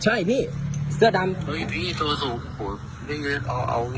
ใช่พี่เสื้อดำหรือพี่สูงสูงนี่เอาเอา